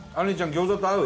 餃子と合う？